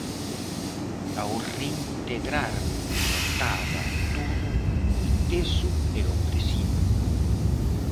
Ao reintegrarme notaba todo moi teso e opresivo.